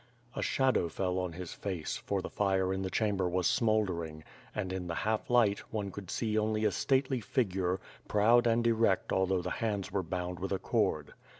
A shadow fell on his face, for the fire in the chamber was smouldering, and in the half light, one could see only a stately figure, proud and erect although the hands were bound with a cord.